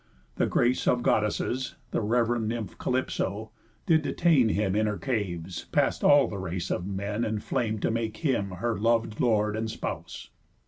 The grace of Goddesses, The rev'rend nymph Calypso, did detain Him in her caves, past all the race of men Enflam'd to make him her lov'd lord and spouse.